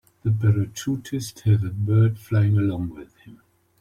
The parachutist has a bird flying along with him.